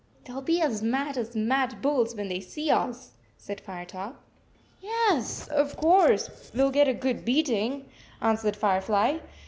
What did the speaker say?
44 They 11 be as mad as mad bulls when they see us," said Firetop. 44 Yes, of course. We 11 get a good beat ing," answered Firefly.